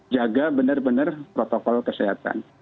jaga benar benar protokol kesehatan